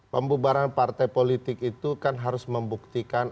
pembubaran partai politik itu kan harus membuktikan